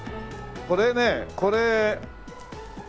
これねこれ。